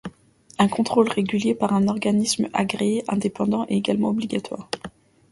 Un contrôle régulier par un organisme agréé indépendant est également obligatoire.